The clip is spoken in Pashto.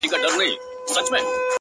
لکه ناآرامه ماسوم شپه ورځ مسلسل ژاړي-